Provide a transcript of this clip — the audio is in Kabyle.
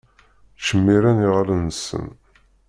Ttcemmiṛen iɣallen-nsen.